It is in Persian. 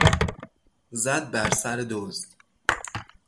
زد بر سر دزد.